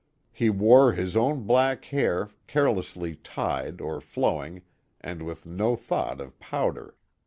He wore his own black hair, carelessly lied or flowing, and with no thought of powder.